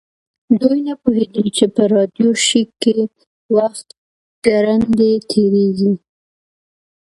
دوی نه پوهیدل چې په راډیو شیک کې وخت ګړندی تیریږي